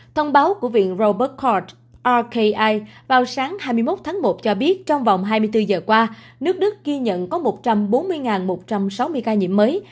thông báo của viện robert cort orki vào sáng hai mươi một tháng một cho biết trong vòng hai mươi bốn giờ qua nước đức ghi nhận có một trăm bốn mươi một trăm sáu mươi ca nhiễm mới